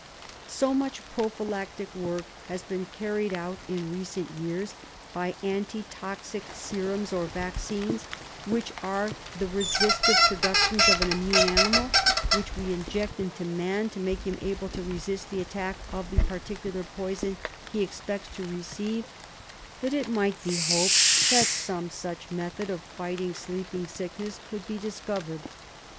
So much prophylactic work has been carried out in receiit years by anti toxic serums or vaccines, which are the re sistive productions of an immune animal which we inject into man to make him able to resist the attack of the par ticular poison he expects to receive, that it might be hoped that some such method of fighting sleeping sickness could be discovered.